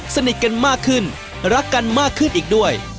สนิทกันมากขึ้นรักกันมากขึ้นอีกด้วย